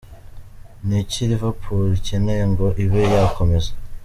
Ni iki Liverpool icyeneye ngo ibe yakomeza?.